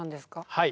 はい。